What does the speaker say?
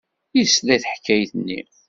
Yesla i teḥkayt-nni.